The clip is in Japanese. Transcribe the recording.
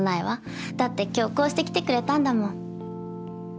だって今日こうして来てくれたんだもん。